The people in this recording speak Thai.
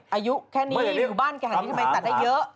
อายุแค่นี้อยู่บ้านขนาดนี้ทำไมตัดได้เยอะ